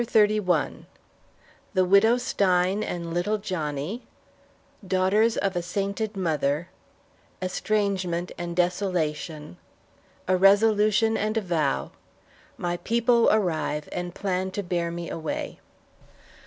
CHAPTER XXXI THE WIDOW STEIN AND LITTLE JOHNNIE "DAUGHTERS OF A SAINTED MOTHER" ESTRANGEMENT AND DESOLATION A RESOLUTION AND A VOW MY PEOPLE ARRIVE AND PLAN TO BEAR ME AWAY.